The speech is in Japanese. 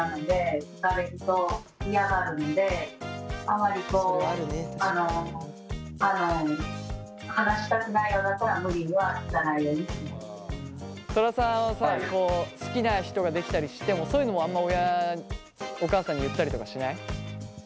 あまりこうあのトラさんはさ好きな人ができたりしてもそういうのはあんま親お母さんに言ったりとかしない？